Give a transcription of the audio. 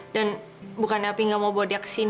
dan bukan opi gak mau bawa dia kesini